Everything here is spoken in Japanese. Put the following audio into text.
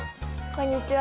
こんにちは。